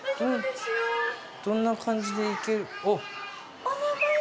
どんな感じで行ける。